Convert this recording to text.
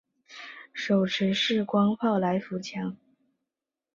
手持式光炮来福枪。